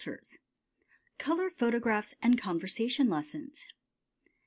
] COLOR PHOTOGRAPHS AND CONVERSATION LESSONS.